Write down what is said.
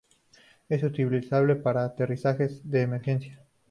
Es utilizable para aterrizajes de emergencia.